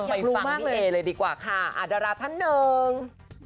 ไปฟังพี่เอเลยดีกว่าค่ะดาราท่านหนึ่ง